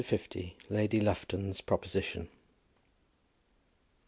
LADY LUFTON'S PROPOSITION.